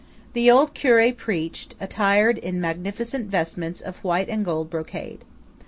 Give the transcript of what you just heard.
The old curé preached, attired in magnificent vestments of white and gold brocade.